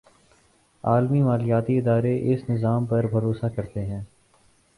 عالمی مالیاتی ادارے اس نظام پر بھروسہ کرتے ہیں۔